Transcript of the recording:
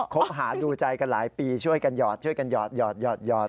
คบหาดูใจกันหลายปีช่วยกันหอดช่วยกันหยอด